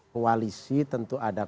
koalisi tentu ada